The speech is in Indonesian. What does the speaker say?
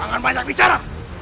jangan banyak bicara